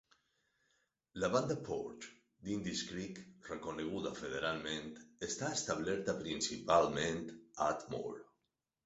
La Banda Poarch d'indis creek, reconeguda federalment, està establerta principalment a Atmore.